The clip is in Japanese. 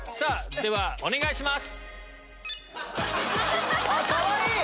ではお願いします。